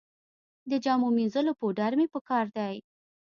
د جامو مینځلو پوډر مې په کار دي